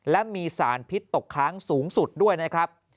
และมีสารพิษตกค้างสูงสุดด้วยนะครับ